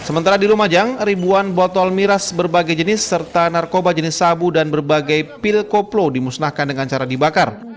sementara di lumajang ribuan botol miras berbagai jenis serta narkoba jenis sabu dan berbagai pil koplo dimusnahkan dengan cara dibakar